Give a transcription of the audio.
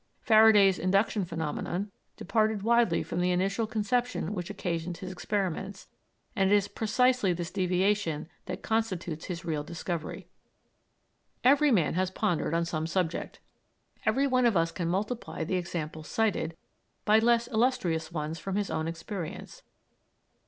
Faraday's induction phenomenon departed widely from the initial conception which occasioned his experiments, and it is precisely this deviation that constitutes his real discovery. Every man has pondered on some subject. Every one of us can multiply the examples cited, by less illustrious ones from his own experience.